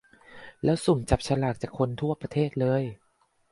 แล้วสุ่มจับสลากจากคนทั่วประเทศเลย